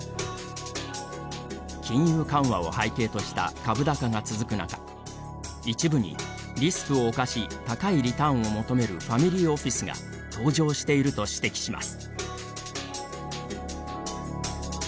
金融緩和を背景とした株高が続く中一部にリスクを冒し高いリターンを求めるファミリーオフィスが登場していると指摘します。